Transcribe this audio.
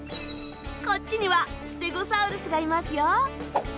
こっちにはステゴサウルスがいますよ。